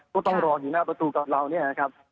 ต้องรออยู่หน้าประตูกับเราเนี่ยนะครับ